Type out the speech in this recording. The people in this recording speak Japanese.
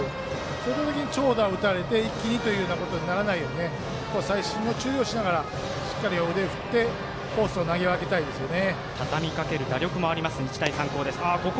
そこで長打を打たれて一気にというようなことにならないように細心の注意をしながらしっかり腕を振ってコースを投げ分けたいですね。